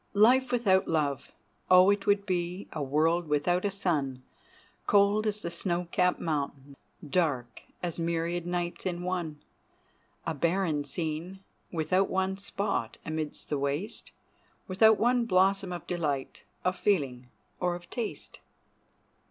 ] "Life without love! Oh, it would be A world without a sun— Cold as the snow capped mountain, dark As myriad nights in one; A barren scene, without one spot Amidst the waste, Without one blossom of delight, Of feeling, or of taste!"